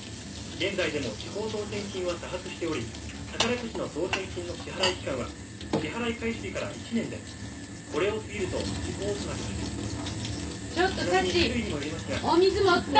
「現在でも時効当せん金は多発しており宝くじの当せん金の支払い期間は支払い開始日から１年でこれを過ぎると時効となります」